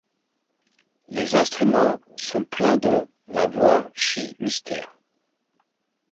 Les instruments sont pleins de la voix chi mystère.